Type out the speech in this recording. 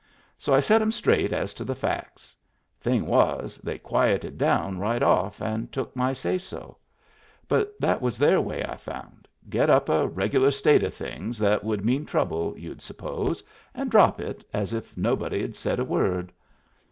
So I set 'em straight as to the facts. Thing was, they quieted down right off and took my say so. But that was their way, I found — get up a regular state of things that would mean trouble, you'd suppose, and drop it as if nobody'd said a word.